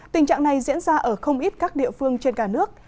tình trạng này diễn ra ở không ít các địa phương trên cả nước